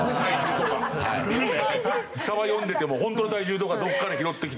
サバ読んでてもホントの体重とかどこかで拾ってきて。